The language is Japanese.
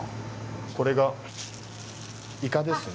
これがイカですね。